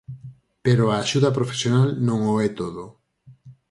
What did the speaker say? Pero a axuda profesional non o é todo.